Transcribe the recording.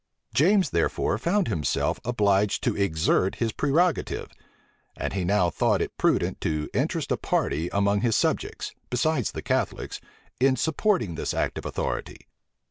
James therefore found himself obliged to exert his prerogative; and he now thought it prudent to interest a party among his subjects, besides the Catholics, in supporting this act of authority.